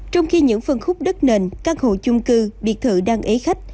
trong khi những phân khúc đất nền căn hộ chung cư biệt thự đang ế khách